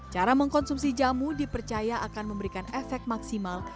cara mengkonsumsi jamu dipercaya akan memberikan efek maksimal